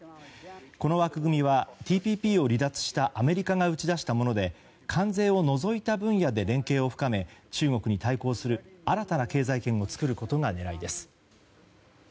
この枠組みはＴＰＰを離脱したアメリカが打ち出したもので関税を除いた分野で連携を深め中国に対抗する新たな経済圏を作ることが狙いです。